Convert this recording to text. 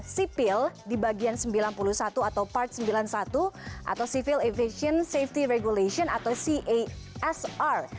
sipil di bagian sembilan puluh satu atau part sembilan puluh satu atau civil aviation safety regulation atau casr